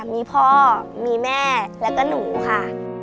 มีพ่อมีแม่แล้วก็หนูค่ะ